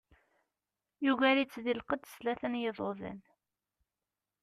Yugar-itt di lqedd s tlata n yiḍudan.